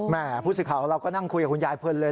แหมพูดสิข่าวเราก็นั่งคุยกับคุณยายเพิ่มเลย